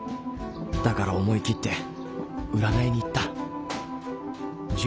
だから思い切って占いに行った。